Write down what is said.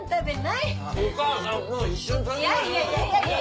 いやいや。